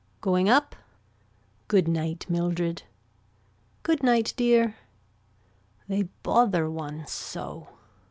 Going up. Good night Mildred. Good night dear. They bother one so.